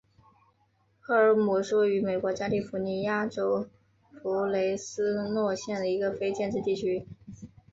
赫尔姆是位于美国加利福尼亚州弗雷斯诺县的一个非建制地区。